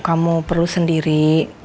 kamu perlu sendiri